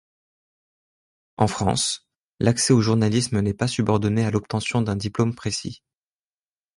En France, l’accès au journalisme n’est pas subordonné à l’obtention d’un diplôme précis.